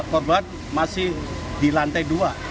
korban masih di lantai dua